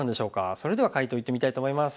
それでは解答いってみたいと思います。